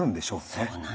そうなんです。